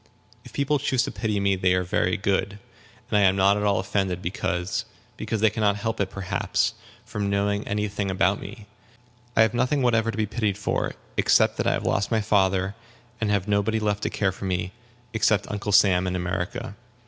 "If people choose to pity me, they are very good, and I am not at all offended, because because they can not help it, perhaps, from not knowing any thing about me. I have nothing whatever to be pitied for, except that I have lost my father, and have nobody left to care for me, except Uncle Sam in America."